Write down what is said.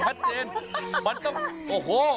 พัดเจนมันก็โอ้โห